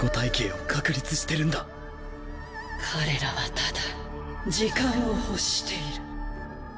彼らはただ時間を欲している。